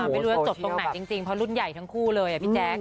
ไม่รู้ว่าจบตรงไหนจริงเพราะรุ่นใหญ่ทั้งคู่เลยพี่แจ๊ค